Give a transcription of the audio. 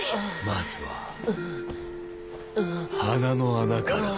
まずは鼻の穴からだ。